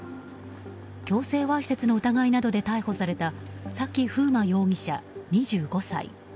強制わいせつの疑いなどで逮捕された崎楓真容疑者、２５歳。